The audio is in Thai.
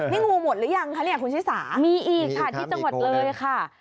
นี่งูหมดหรือยังคะเนี่ยคุณชิสามีอีกค่ะที่จังหวัดเลยค่ะ